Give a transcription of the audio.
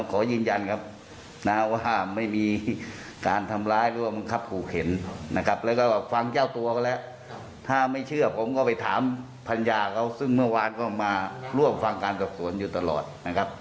ขอยืนยันครับนะว่าไม่มีการทำร้ายหรือว่าบังคับขู่เข็นนะครับแล้วก็ฟังเจ้าตัวก็แล้วถ้าไม่เชื่อผมก็ไปถามภรรยาเขาซึ่งเมื่อวานก็มาร่วมฟังการสอบสวนอยู่ตลอดนะครับ